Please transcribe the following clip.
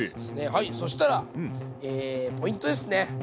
はいそしたらポイントですね。